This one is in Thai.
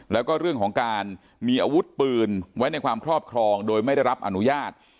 แล้วก็เรื่องของการมีอาวุธปืนไว้ในความครอบครองโดยไม่ได้รับอนุญาต